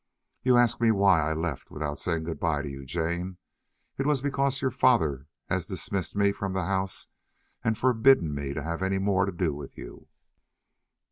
"You ask me why I left without saying good bye to you, Jane. It was because your father has dismissed me from the house and forbidden me to have any more to do with you."